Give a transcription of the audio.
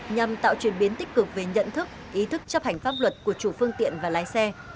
nhằm tạo truyền biến tích cực về nhận thức ý thức chấp hành pháp luật của chủ phương tiện và lái xe